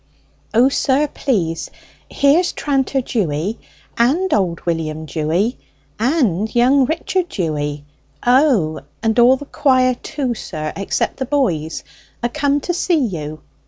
"O, sir, please, here's Tranter Dewy, and old William Dewy, and young Richard Dewy, O, and all the quire too, sir, except the boys, a come to see you!"